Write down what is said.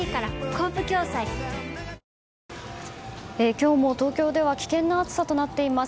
今日も東京では危険な暑さとなっています。